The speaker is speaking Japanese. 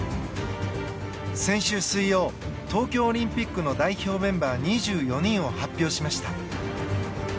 先週水曜東京オリンピックの代表メンバー２４人を発表しました。